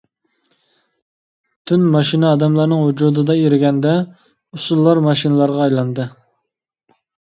تۈن ماشىنا ئادەملەرنىڭ ۋۇجۇدىدا ئېرىگەندە، ئۇسسۇللار ماشىنىلارغا ئايلاندى.